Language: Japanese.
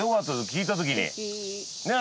聞いた時にねえ？